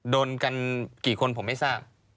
โดนกันกี่คนผมไม่ทราบ